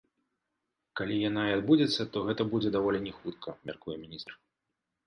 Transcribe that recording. Калі яна і адбудзецца, то гэта будзе даволі не хутка, мяркуе міністр.